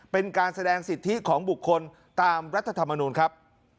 เป็นการแสดงสิทธิของบุคคลตามรัฐธรรมนูลครับ